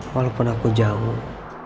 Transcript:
walaupun aku jauh